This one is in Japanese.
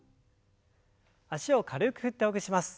脚を軽く振ってほぐします。